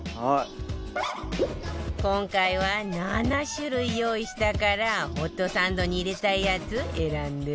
今回は７種類用意したからホットサンドに入れたいやつ選んで